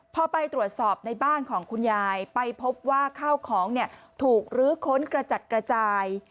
พอไปตรวจสอบในบ้านของคุณยายไปพบว่าข้าวของถูกลื้อค้นกระจัดกระจาย